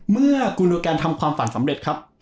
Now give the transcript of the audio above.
เมื่อกูโลแกนทำความฝันสำเร็จครับ